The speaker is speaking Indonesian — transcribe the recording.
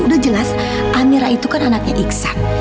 sudah jelas amirah itu kan anaknya iksan